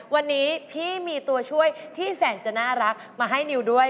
วันนี้พี่มีตัวช่วยที่แสนจะน่ารักมาให้นิวด้วย